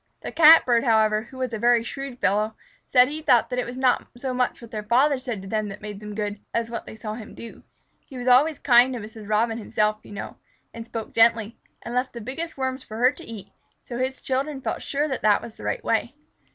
The Catbird, however, who was a very shrewd fellow, said he thought it was not so much what their father said to them that made them good, as what they saw him do. He was always kind to Mrs. Robin himself, you know, and spoke gently, and left the biggest Worms for her to eat, so his children felt sure that this was the right way.